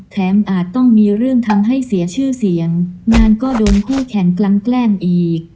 อาจต้องมีเรื่องทำให้เสียชื่อเสียงงานก็โดนคู่แข่งกลั้นแกล้งอีก